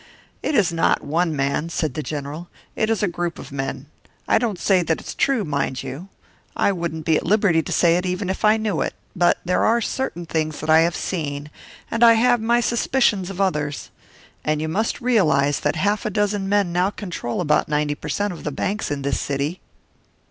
"It is not one man," said the General, "it is a group of men. I don't say that it's true, mind you. I wouldn't be at liberty to say it even if I knew it; but there are certain things that I have seen, and I have my suspicions of others. And you must realise that a half dozen men now control about ninety per cent of the banks of this city."